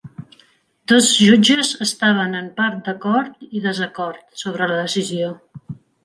Dos jutges estaven en part d'acord i desacord sobre la decisió.